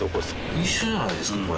一緒じゃないですかこれ。